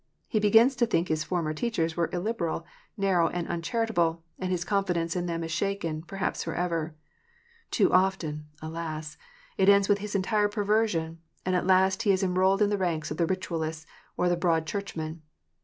He begins to think his former teachers were illiberal, narrow, and uncharitable, and his confidence in them is shaken, perhaps for ever. Too often, alas ! it ends with his entire perversion, and at last he is enrolled in the ranks of the Ritualists or the Broad Church men